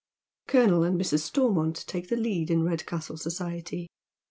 Colonel and Mrs. Stormont take the lead in Redcastle society.